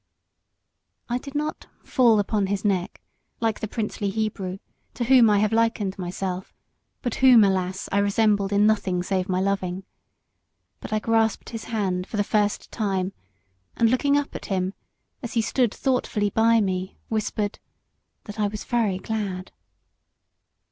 I did not "fall upon his neck," like the princely Hebrew, to whom I have likened myself, but whom, alas! I resembled in nothing save my loving. But I grasped his hand, for the first time, and looking up at him, as he stood thoughtfully by me, whispered, "that I was very glad."